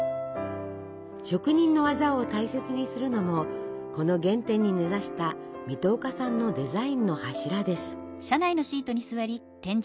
職人の技を大切にするのもこの原点に根ざした水戸岡さんのデザインの柱です。